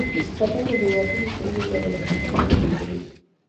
په دغو هېوادونو کې یې له ولسمشرانو لیدلي.